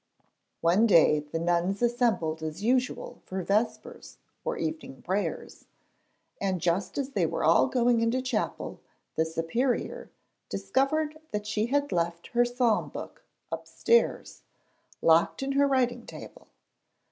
One day the nuns assembled as usual for vespers or evening prayers, and just as they were all going into chapel the Superior discovered that she had left her psalm book upstairs, locked in her writing table.